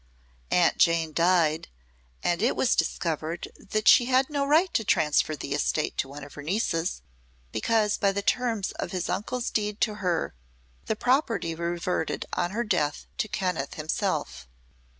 Aunt Jane died and it was discovered that she had no right to transfer the estate to one of her nieces, because by the terms of his uncle's deed to her the property reverted on her death to Kenneth himself.